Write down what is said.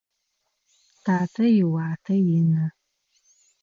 Татэ иуатэ ины.